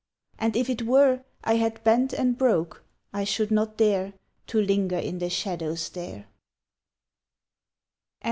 And if it were I had bent and broke, I should not dare To linger in the shadows there.